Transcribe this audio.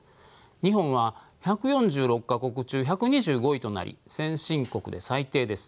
日本は１４６か国中１２５位となり先進国で最低です。